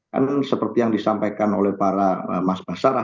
kan seperti yang disampaikan oleh para mas basara